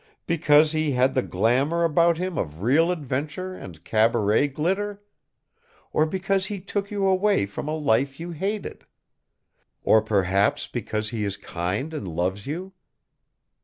Because he had the glamour about him of real adventure and cabaret glitter? Or because he took you away from a life you hated? Or, perhaps, because he is kind and loves you?